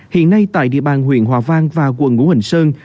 hiện nay tại địa bàn huyện hòa vang và quận ngũ hành sơn